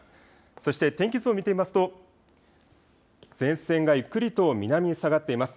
そして天気図を見てみますと前線がゆっくりと南へ下がっています。